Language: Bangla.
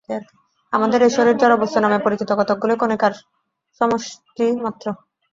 আমাদের এই শরীর জড়বস্তু নামে পরিচিত কতকগুলি কণিকার সমষ্টি মাত্র।